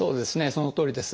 そのとおりです。